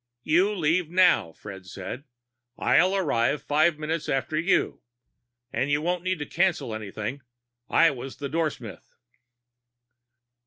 "You leave now," Fred said. "I'll arrive five minutes after you. And you won't need to cancel anything. I was the doorsmith."